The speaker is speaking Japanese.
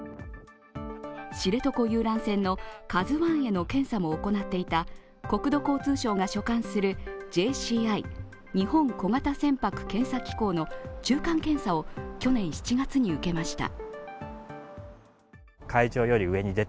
知床遊覧船の「ＫＡＺＵⅠ」への検査も行っていた国土交通省が所管するＪＣＩ＝日本小型船舶検査機構の中間検査を去年７月に受けました。